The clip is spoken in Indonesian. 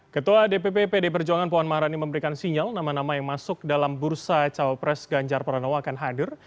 ketua dpp pd perjuangan puan maharani memberikan sinyal nama nama yang masuk dalam bursa cawapres ganjar pranowo akan hadir